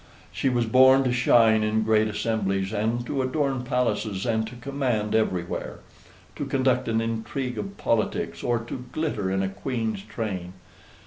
She was born to shine in great assemblies, and to adorn palaces, and to command everywhere to conduct an intrigue of politics, or to glitter in a queen's train.